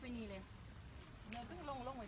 เหมือนกับการรักเงี้ย